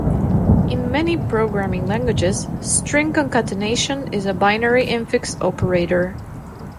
In many programming languages, string concatenation is a binary infix operator.